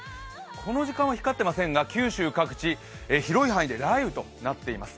この時間は光っていませんが九州各地、広い範囲で雷雨となっています。